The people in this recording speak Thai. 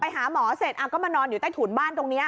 หาหมอเสร็จก็มานอนอยู่ใต้ถุนบ้านตรงนี้